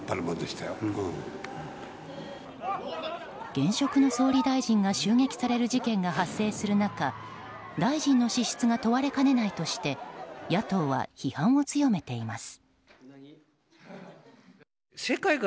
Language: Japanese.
現職の総理大臣が襲撃される事件が発生する中大臣の資質が問われかねないとして野党は批判を強めています。